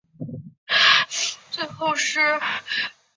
产物仍然是邻或对羟基芳酮。